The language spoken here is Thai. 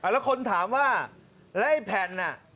แล้วคนถามว่าแล้วไอ้แผ่นน่ะ